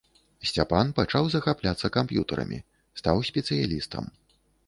Сцяпан пачаў захапляцца камп'ютарамі, стаў спецыялістам.